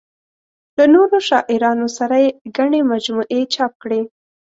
له نورو شاعرانو سره یې ګڼې مجموعې چاپ کړې.